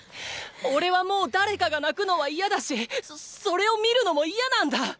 おれはもう誰かが泣くのは嫌だしそっそれを見るのも嫌なんだ！